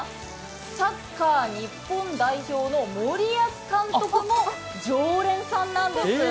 サッカー日本代表の森保監督も常連さんなんです。